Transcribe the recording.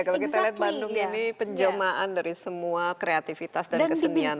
kalau kita lihat bandung ini penjelmaan dari semua kreativitas dan kesenian